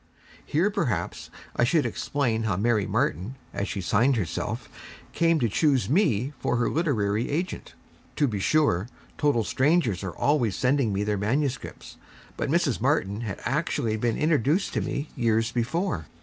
Here, perhaps, I should explain how Mary Martin, as she signed herself, came to choose me for her literary agent. To be sure, total strangers are always sending me their manuscripts, but Mrs. Martin had actually been introduced to me years before.